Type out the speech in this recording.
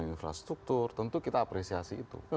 infrastruktur tentu kita apresiasi itu